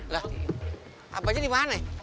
lah abah jadi mana